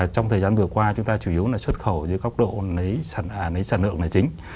trong thời gian vừa qua chúng ta chủ yếu là xuất khẩu dưới góc độ lấy sản lượng là chính